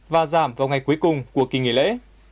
và giảm vào ngày cuối cùng của kỳ nghỉ lễ